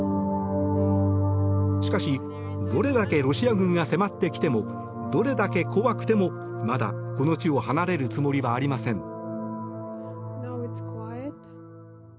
しかし、どれだけロシア軍が迫ってきてもどれだけ怖くてもまだこの地を離れるつもりはありません。